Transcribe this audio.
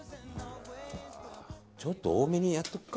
ちょっと多めにやっておくか。